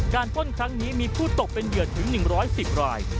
ป้นครั้งนี้มีผู้ตกเป็นเหยื่อถึง๑๑๐ราย